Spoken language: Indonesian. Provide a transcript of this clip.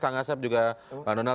kak ngasep juga pak nonal